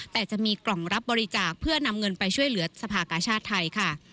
แต่จะมีกล่องรับบริจาคเพื่อนำเงินไปช่วยเหลือสภากาชาติไทยค่ะ